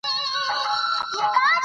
عامه مالي چارې د دولت مسوولیت دی.